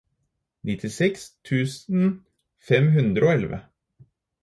nittiseks tusen fem hundre og elleve